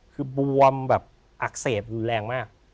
คือบวมแบบอักเสบรุนแรงมาก